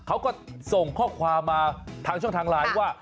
เขาก็ส่งข้อความมาทางช่องทางไลน์ว่า